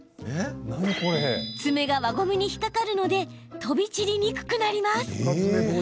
爪が輪ゴムに引っ掛かるので飛び散りにくくなります。